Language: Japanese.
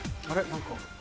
何か。